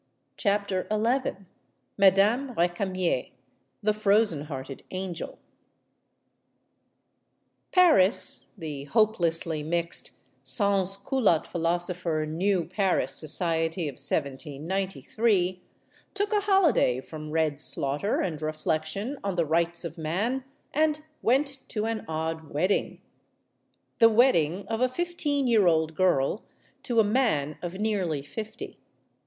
CHAPTER XI MADAME RECAMIER THE FROZEN HEARTED ANGEL PARIS~the hopelessly mixed, sans culotte philoso pher new Paris society of 1 793 took a holiday from red slaughter and reflection on the Rights of Man, and went to an odd wedding. The wedding of a fifteen year old girl to a man of nearly fifty.